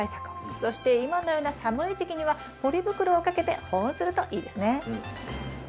そして今のような寒い時期にはポリ袋をかけて保温するといいですね。